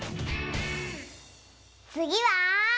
つぎは。